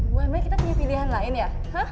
buah emang kita punya pilihan lain ya